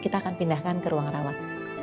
kita akan pindahkan ke ruang rawat